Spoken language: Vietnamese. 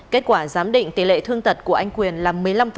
kết quả giám định tỷ lệ thương tật của anh quyền là một mươi năm